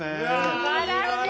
すばらしい！